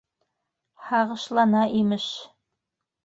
Һағышлана, имеш!